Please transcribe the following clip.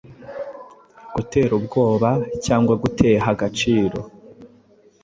gutera ubwoba, cyangwa guteha agaciro